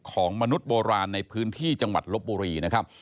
ของมนุษย์โบราณในพื้นที่จังหวัดลบบุรีนะครับ